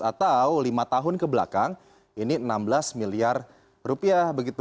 atau lima tahun kebelakang ini enam belas miliar rupiah